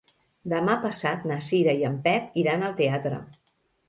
Demà passat na Cira i en Pep iran al teatre.